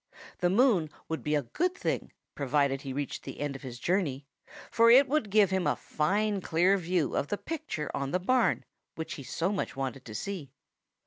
The moon would be a good thing, provided he reached the end of his journey, for it would give him a fine clear view of the picture on the barn, which he so much wanted to see.